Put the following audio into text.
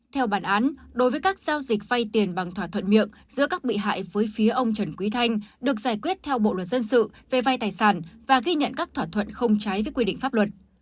theo bản án đối với các giao dịch vay tiền bằng thỏa thuận miệng giữa các bị hại với phía ông trần quý thanh được giải quyết theo bộ luật dân sự về vai tài sản và ghi nhận các thỏa thuận không trái với quy định pháp luật